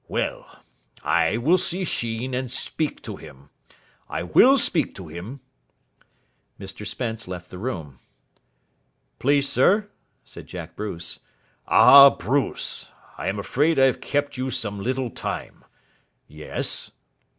Well, I will see Sheen, and speak to him. I will speak to him." Mr Spence left the room. "Please sir " said Jack Bruce. "Ah, Bruce. I am afraid I have kept you some little time. Yes?